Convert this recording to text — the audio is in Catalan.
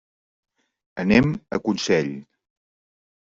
Anem a Consell.